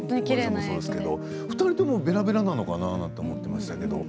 ２人ともべらべらなのかなと思っていましたけど。